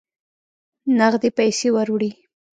نغدي پیسې وروړي.